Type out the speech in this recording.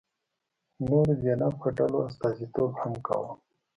نورو ذینفع ډلو استازیتوب هم کاوه.